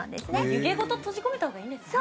湯気ごと閉じ込めたほうがいいんですね。